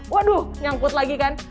waduh nyangkut lagi kan